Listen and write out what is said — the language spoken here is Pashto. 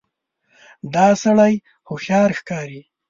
دا سړی هوښیار ښکاري.